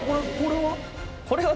これは？